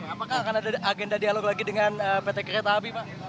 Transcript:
apakah akan ada agenda dialog lagi dengan pt kereta api pak